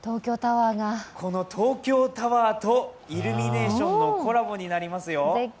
東京タワーとイルミネーションのコラボになりますよ。